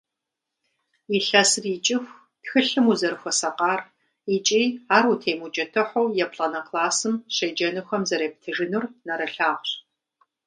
Илъэсыр икӀыху тхылъым узэрыхуэсакъар икӀи ар утемыукӀытыхьу еплӀанэ классым щеджэнухэм зэрептыжынур нэрылъагъущ.